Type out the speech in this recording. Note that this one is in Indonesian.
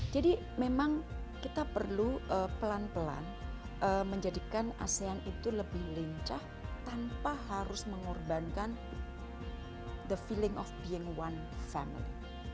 jadi memang kita perlu pelan pelan menjadikan asean itu lebih lincah tanpa harus mengorbankan the feeling of being one family